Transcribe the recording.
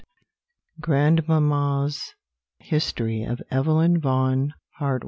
] Grandmamma's History of Evelyn Vaughan. Part I.